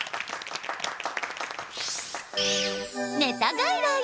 ネタ外来。